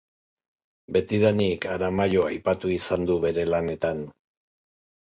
Betidanik Aramaio aipatu izan du bere lanetan.